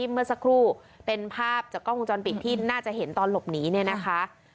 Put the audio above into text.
เมื่อสักครู่เป็นภาพจากกล้องวงจรปิดที่น่าจะเห็นตอนหลบหนีเนี่ยนะคะ